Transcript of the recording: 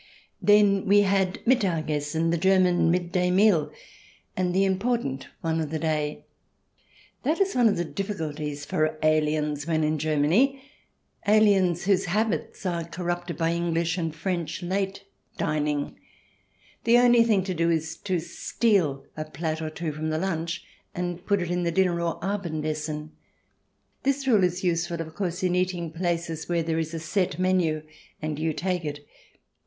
Then we had Mittag Essen, the German midday meal, and the important one of the day. That is one of the difficulties for aliens when in Germany — aliens whose habits are corrupted by English and i64 THE DESIRABLE ALIEN [ch. xii French late dining. The only thing to do is to steal a plat or so from the lunch and put it in the dinner or Abend essen. This rule is useful, of course, in eating places where there is a set menu and you take it.